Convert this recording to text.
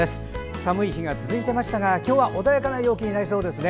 寒い日が続いていましたが今日は穏やかな陽気になりそうですね。